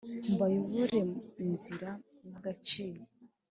Mbayobore inzira mwagaciye.